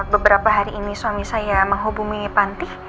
beberapa hari ini suami saya menghubungi panti